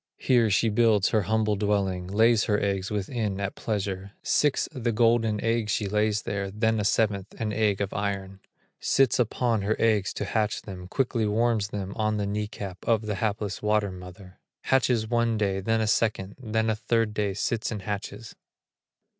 Here she builds her humble dwelling, Lays her eggs within, at pleasure, Six, the golden eggs she lays there, Then a seventh, an egg of iron; Sits upon her eggs to hatch them, Quickly warms them on the knee cap Of the hapless water mother; Hatches one day, then a second, Then a third day sits and hatches.